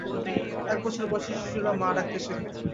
এক বছর বয়েসি শিশুরা মা ডাকতে শেখে।